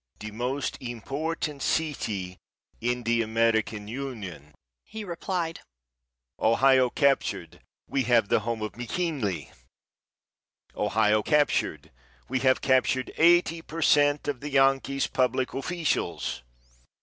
"The most important city in the American Union," he replied. "Ohio captured, we have the home of McKinley. Ohio captured, we have captured eighty per cent. of the Yankees' public officials.